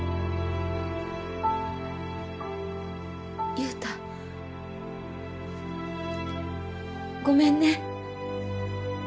優太ごめんね。